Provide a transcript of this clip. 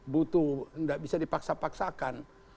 butuh tidak bisa dipaksa paksakan